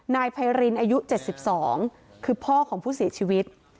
นายไพรินอายุ๗๒คือพ่อของผู้เสียชีวิต